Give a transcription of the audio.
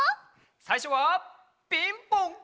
さいしょは「ピンポン」！